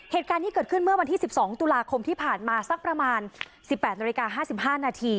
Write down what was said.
เหตุการณ์ที่เกิดขึ้นเมื่อวันที่๑๒ตุลาคมที่ผ่านมาสักประมาณ๑๘นาฬิกา๕๕นาที